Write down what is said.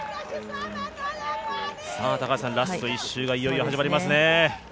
ラスト１周がいよいよ始まりますね。